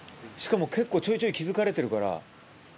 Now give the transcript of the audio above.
結構ちょいちょい気付かれてるから。